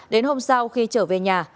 đến hôm sau khi trở về nhà